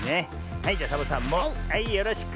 はいじゃサボさんもはいよろしく。